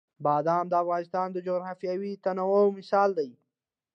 بادام د افغانستان د جغرافیوي تنوع مثال دی.